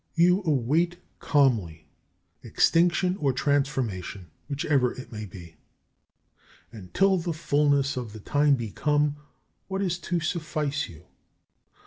You await calmly extinction or transformation, whichever it may be. And till the fulness of the time be come what is to suffice you?